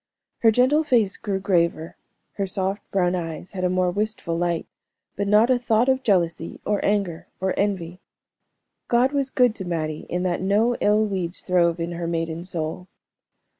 Her gentle face grew graver, her soft brown eyes had a more wistful light, but not a thought of jealousy, or anger, or envy. God was good to Mattie in that no ill weeds throve in her maiden soul.